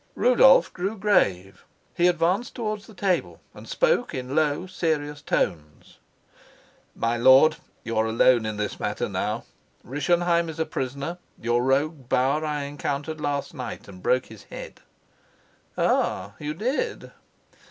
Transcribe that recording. Rudolf grew grave. He advanced towards the table, and spoke in low, serious tones. "My lord, you're alone in this matter now. Rischenheim is a prisoner; your rogue Bauer I encountered last night and broke his head." "Ah, you did?"